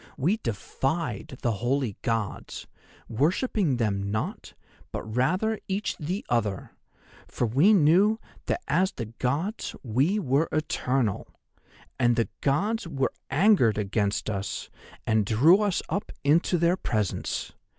We defied the holy Gods, worshipping them not, but rather each the other, for we knew that as the Gods we were eternal. And the Gods were angered against us and drew us up into their presence.